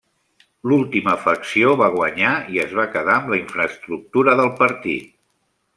L'última facció va guanyar i es va quedar amb la infraestructura del partit.